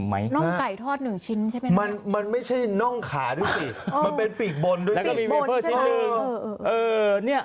ปรีกบนใช่ไหม